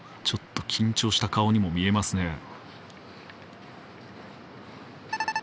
ちょっと緊張した顔にも見えますね。